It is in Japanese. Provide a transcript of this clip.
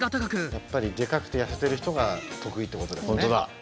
やっぱりでかくて痩せてる人が得意ってことだよね。